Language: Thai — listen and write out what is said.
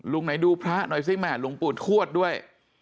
ไหนดูพระหน่อยสิแม่หลวงปู่ทวดด้วย